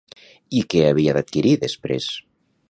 I què havia d'adquirir després?